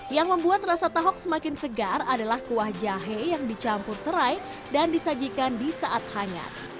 yang membuat rasa tahok semakin segar adalah kuah jahe yang dicampur serai dan disajikan di saat hangat